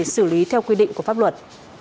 cho quy định của pháp luật